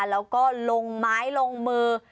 แล้วก็ลงไม้ลงมือ